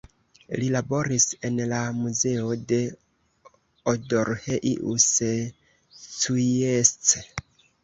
Li laboris en la Muzeo de Odorheiu Secuiesc.